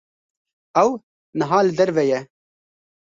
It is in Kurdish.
Ew niha li derve ye.